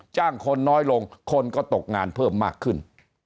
คนน้อยลงคนก็ตกงานเพิ่มมากขึ้น